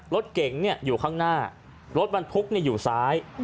รถเก๋งเนี่ยอยู่ข้างหน้ารถมันพุกเนี่ยอยู่ซ้าย